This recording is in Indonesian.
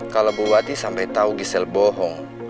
kalau bu ati sampai tau gisel bohong